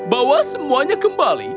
bawa semuanya kembali